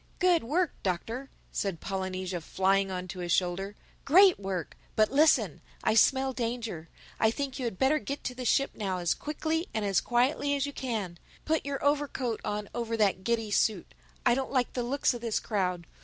"Good work, Doctor!" said Polynesia, flying on to his shoulder—"Great work!—But listen: I smell danger. I think you had better get back to the ship now as quick and as quietly as you can. Put your overcoat on over that giddy suit. I don't like the looks of this crowd.